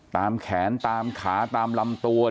ตามแขนตามขาตามลำตัว